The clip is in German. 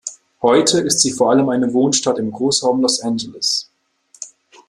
Heute ist sie vor allem eine Wohnstadt im Großraum Los Angeles.